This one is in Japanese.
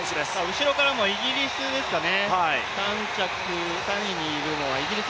後ろからもイギリスですね。